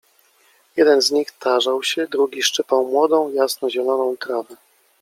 Jeden z nich tarzał się, drugi szczypał młodą, jasnozieloną trawę.